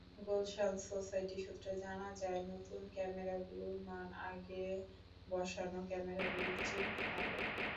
Gulshan society সূত্রে জানা যায়, নতুন ক্যামেরাগুলোর মান আগে বসানো ক্যামেরাগুলোর চেয়েও ভালো।